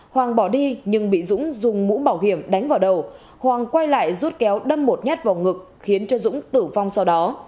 hoàng bỏ đi nhưng bị dũng dùng mũ bảo hiểm đánh vào đầu hoàng quay lại rút kéo đâm một nhát vào ngực khiến cho dũng tử vong sau đó